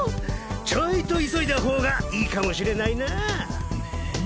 ちょいと急いだ方がいいかもしれないなぁ。